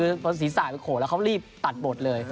คือภาษีศาสตร์โดยโขทแล้วเขารีบตัดบทเลย